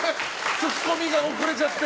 ツッコミが遅れちゃって。